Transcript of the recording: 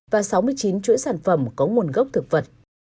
và sáu mươi chín chuỗi sản phẩm có nguồn gốc thực vật